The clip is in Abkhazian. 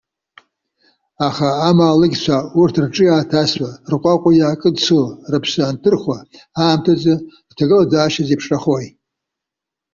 Аха, амаалықьцәа урҭ рҿы иааҭасуа, рҟәаҟәа иаакыдсыло, рыԥсы анырхырхуа аамҭазы рҭагылазаашьа зеиԥшрахои?